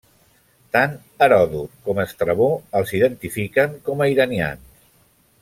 Tant Heròdot com Estrabó els identifiquen com a iranians.